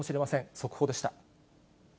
速報でした。